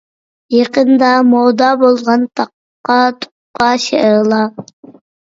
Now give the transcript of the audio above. يېقىندا مودا بولغان تاققا-تۇققا شېئىرلار